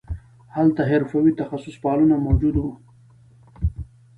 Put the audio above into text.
هلته حرفوي تخصص پالنه موجود وو